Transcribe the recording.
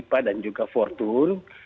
pt dwipa dan juga fortun